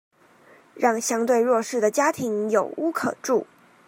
讓相對弱勢的家庭有屋可住